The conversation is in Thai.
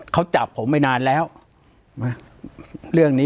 ปากกับภาคภูมิ